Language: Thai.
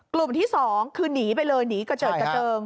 กลุ่มที่๒คือหนีไปเลยหนีกระเจิดกระเจิง